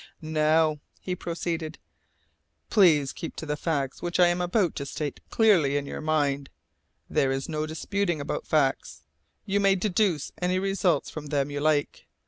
"Now," he proceeded, "please to keep the facts which I am about to state clearly in your mind; there is no disputing about facts. You may deduce any results from them you like.